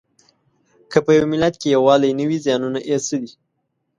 که په یوه ملت کې یووالی نه وي زیانونه یې څه دي؟